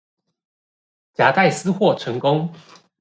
夾帶私貨成功